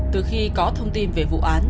từ khi có thông tin về vụ án